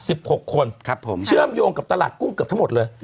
หกคนครับผมเชื่อมโยงกับตลาดกุ้งเกือบทั้งหมดเลย